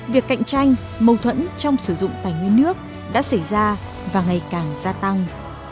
việc cạnh tranh mâu thuẫn trong sử dụng tài nguyên nước đã xảy ra và ngày càng gia tăng